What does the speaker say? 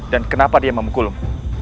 dan kenapa dia memukulmu